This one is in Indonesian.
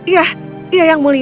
ya ya yang mulia